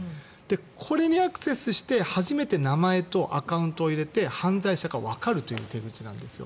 これにアクセスして初めて名前とアカウントを入れて犯罪者かわかるという手口なんですよ。